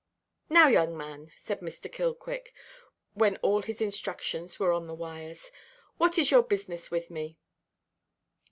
"Now, young man," asked Mr. Killquick, when all his instructions were on the wires, "what is your business with me?"